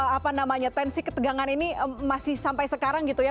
apa namanya tensi ketegangan ini masih sampai sekarang gitu ya